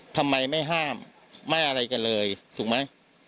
ทำไมไม่ห้ามไม่อะไรกันเลยถูกไหม